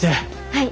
はい。